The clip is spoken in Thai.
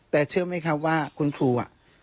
แต่เชื่อไหมครับว่าคุณครูอ่ะ